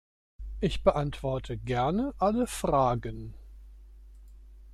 Ich beantworte gerne alle Fragen.